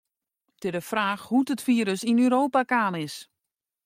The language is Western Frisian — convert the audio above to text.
It is de fraach hoe't it firus yn Europa kaam is.